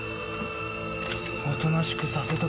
おとなしくさせとけよ？